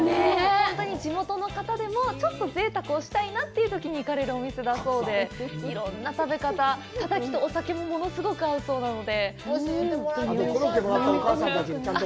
本当に地元の方でも、ちょっとぜいたくをしたいなというときに行かれるお店だそうで、いろんな食べ方、たたきとお酒も物すごく合うそうなので。